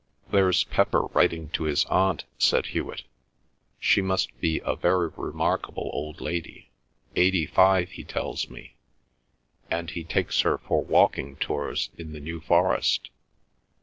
"There's Pepper writing to his aunt," said Hewet. "She must be a very remarkable old lady, eighty five he tells me, and he takes her for walking tours in the New Forest.